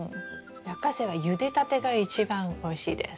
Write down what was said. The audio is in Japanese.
ラッカセイはゆでたてが一番おいしいです。